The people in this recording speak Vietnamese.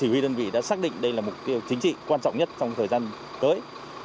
huy đơn vị đã xác định đây là mục tiêu chính trị quan trọng nhất trong thời gian tới